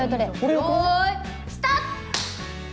よいスタート！